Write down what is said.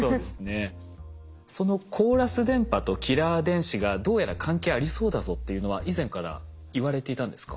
そのコーラス電波とキラー電子がどうやら関係ありそうだぞっていうのは以前からいわれていたんですか？